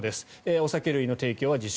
お酒類の提供は自粛。